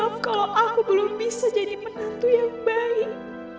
prof kalau aku belum bisa jadi penantu yang baik